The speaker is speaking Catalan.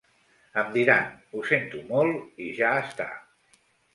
Em diran “ho sento molt” i ja està.